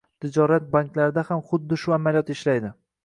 Tijorat banklarida ham huddi shu amaliyot ishlaydi.